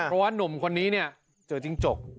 เพราะว่านุ่มคนนี้เจอจริงจก